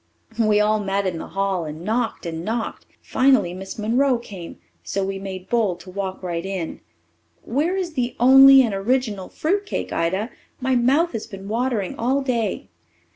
We all met in the hall, and knocked and knocked. Finally Miss Monroe came, so we made bold to walk right in. Where is the only and original fruit cake, Ida? My mouth has been watering all day."